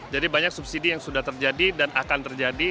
jadi banyak subsidi yang sudah terjadi dan akan terjadi